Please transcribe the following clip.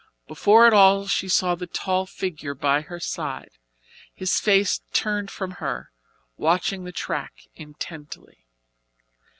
Before it all she saw the tall figure by her side, his face turned from her, watching the track intently.